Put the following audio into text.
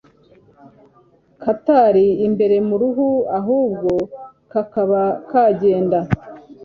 katari imbere mu ruhu ahubwo kakaba kagenda